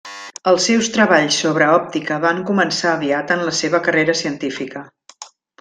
Els seus treballs sobre òptica van començar aviat en la seva carrera científica.